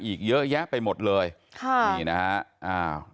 อีกเยอะแยะไปหมดเลยนี่นะฮะ